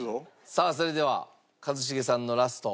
さあそれでは一茂さんのラスト。